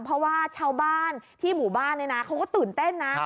เพราะว่าชาวบ้านที่หมู่บ้านเนี่ยนะเขาก็ตื่นเต้นนะ